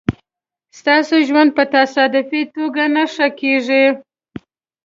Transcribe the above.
ستاسو ژوند په تصادفي توگه نه ښه کېږي